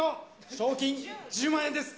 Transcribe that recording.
賞金１０万円です。